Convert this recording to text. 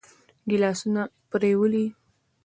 ګيلاسونه پرېولي.